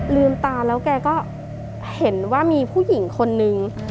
ลืมตาแล้วแกก็เห็นว่ามีผู้หญิงคนนึง